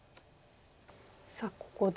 さあここで。